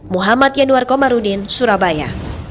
muhammad yanuar komarudin surabaya